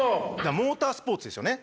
モータースポーツですよね